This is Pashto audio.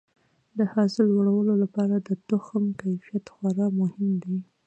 د حاصل لوړولو لپاره د تخم کیفیت خورا مهم دی.